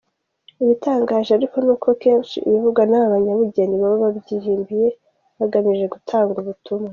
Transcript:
Igitangaje ariko, ni uko kenshi ibivugwa n’aba banyabugeni baba babyihimbiye, bagamije gutanga ubutumwa.